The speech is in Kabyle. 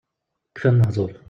Kfan lehdur.